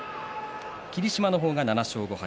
霧島の方が７勝５敗